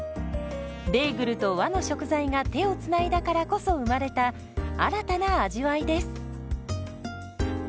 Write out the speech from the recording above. ベーグルと和の食材が手をつないだからこそ生まれた新たな味わいです。